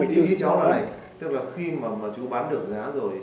tức là khi mà chú bán được giá rồi